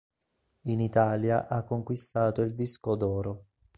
In Italia ha conquistato il disco d'oro.